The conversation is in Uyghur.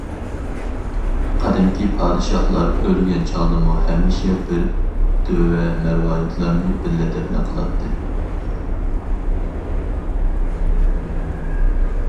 قەدىمكى پادىشاھلار ئۆلگەن چاغدىمۇ ھەمىشە بىر دۆۋە مەرۋايىتلارنى بىللە دەپنە قىلاتتى.